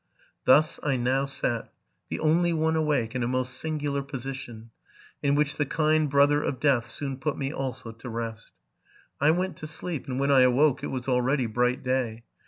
Thus I now sat, the only one awake, in a most singular position, in which the kind brother of death soon put me also torest. I went to sleep; and, when I awoke, it was already bright day.